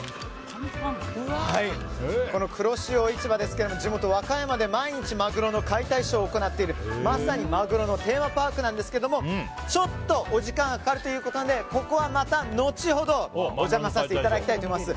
黒潮市場ですけども地元・和歌山で毎日マグロの解体ショーを行っているまさにマグロのテーマパークなんですけどもちょっとお時間がかかるということなのでここはまた後ほどお邪魔させていただきます。